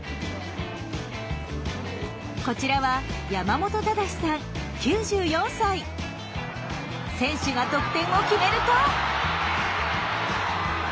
こちらは選手が得点を決めると。